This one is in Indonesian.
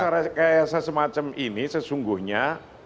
rekayasa semacam ini sesungguhnya